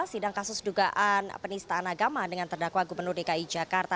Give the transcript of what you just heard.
sidang kasus dugaan penistaan agama dengan terdakwa gubernur dki jakarta